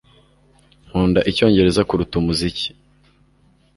Nkunda icyongereza kuruta umuziki